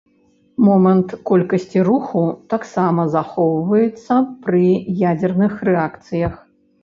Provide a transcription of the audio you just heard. Момант колькасці руху таксама захоўваецца пры ядзерных рэакцыях.